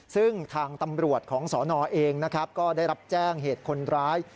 ซึ่งทางตำรวจของสนเองนะครับก็ได้รับแจ้งเหตุคนร้าย